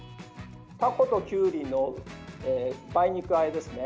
タコときゅうりの梅肉あえですね。